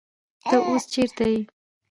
تۀ اوس چېرته يې ؟